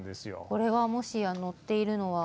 これはもしや、乗っているのは？